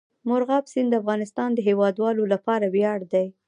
مورغاب سیند د افغانستان د هیوادوالو لپاره ویاړ دی.